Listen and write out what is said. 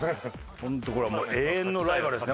ホントこれはもう永遠のライバルですね